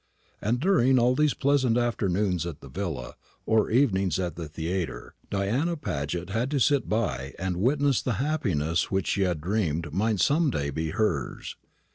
And during all these pleasant afternoons at the villa, or evenings at the theatre, Diana Paget had to sit by and witness the happiness which she had dreamed might some day be hers.